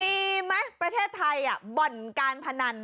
มีมั้ยประเทศไทยบ่นการพนัน